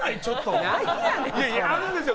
それあるんですよ